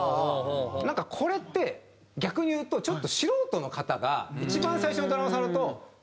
なんかこれって逆に言うとちょっと素人の方が一番最初にドラム触ると。